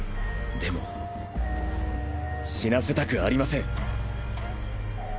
でも死なせたくありません。